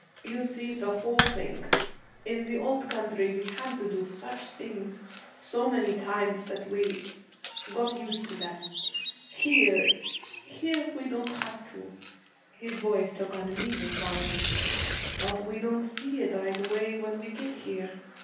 'You see the whole thing. In the old country we had to do such things so many times that we got used to them. Here here we don't have to.' His voice took on a musing quality. 'But we don't see it right away when we get here.